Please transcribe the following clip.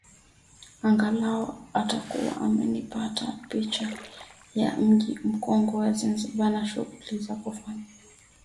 Angalau utakuwa umeipata picha ya Mji Mkongwe wa Zanzibar na shughuli za kufanya